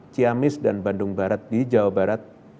ciamis dan bandung barat di jawa barat